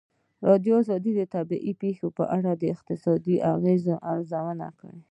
ازادي راډیو د طبیعي پېښې په اړه د اقتصادي اغېزو ارزونه کړې.